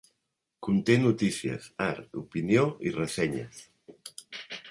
Conté notícies, art, opinió i ressenyes.